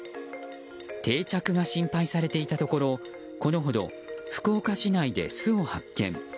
定着が心配されていたところこのほど福岡市内で巣を発見。